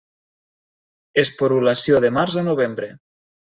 Esporulació de març a novembre.